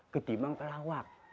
ketimbang ke lawak